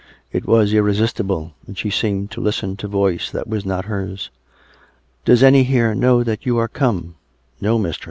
It was irresistible, and she seemed to listen to a voice that was not hers. " Does any here know that you are come.^ "" Noj mistress." COME RACK! COME ROPE!